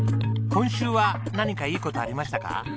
今週は何かいい事ありましたか？